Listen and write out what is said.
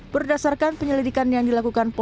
berdasarkan penyelidikan yang dilakukan